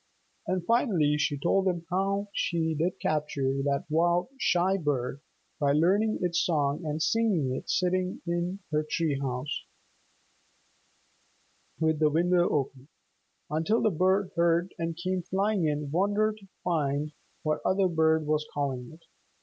And finally she told them how she did capture that wild, shy bird by learning its song and singing it sitting in her tree house with the window open, until the bird heard and came flying in wonder to find what other bird was calling it.